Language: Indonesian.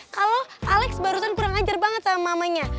kalau alex barusan kurang ajar banget sama mamanya